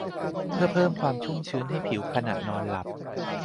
เพื่อเพิ่มความชุ่มชื้นให้ผิวขณะนอนหลับ